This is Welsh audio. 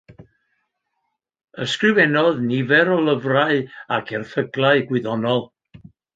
Ysgrifennodd nifer o lyfrau ac erthyglau gwyddonol.